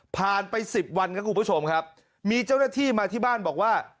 ไปสิบวันครับคุณผู้ชมครับมีเจ้าหน้าที่มาที่บ้านบอกว่า